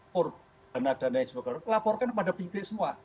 korb dana dana dana dana laporkan pada penyintik semua